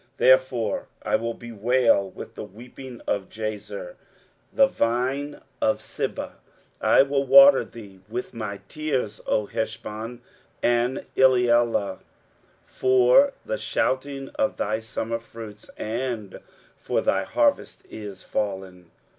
23:016:009 Therefore I will bewail with the weeping of Jazer the vine of Sibmah: I will water thee with my tears, O Heshbon, and Elealeh: for the shouting for thy summer fruits and for thy harvest is fallen.